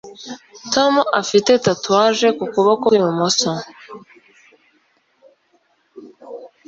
Tom afite tatouage ku kuboko kwibumoso